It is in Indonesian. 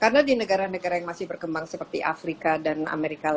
karena di negara negara yang masih berkembang seperti afrika dan alaska kita lihat angka di brazil